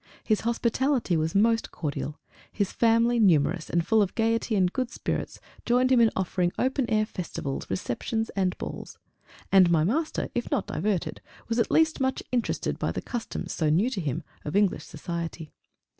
His hospitality was most cordial; his family, numerous and full of gayety and good spirits joined him in offering open air festivals, receptions and balls. And my Master, if not diverted, was at least much interested by the customs, so new to him, of English Society.